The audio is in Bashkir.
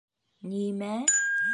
— Ни-мә?